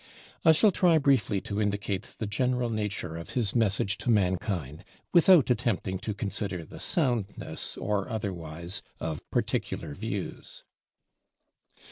I shall try briefly to indicate the general nature of his message to mankind, without attempting to consider the soundness or otherwise of particular views.